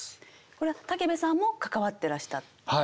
これは武部さんも関わってらしたんですよね。